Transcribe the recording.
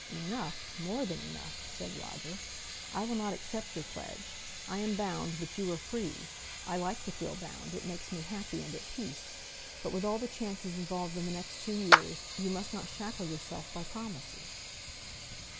"Enough! more than enough!" said Roger. "I will not accept your pledge. I am bound, but you are free. I like to feel bound, it makes me happy and at peace, but with all the chances involved in the next two years, you must not shackle yourself by promises."